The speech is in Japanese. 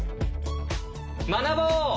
学ぼう！